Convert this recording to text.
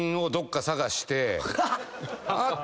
あっ！